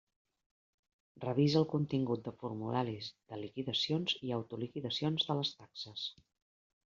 Revisa el contingut de formularis de liquidacions i autoliquidacions de les taxes.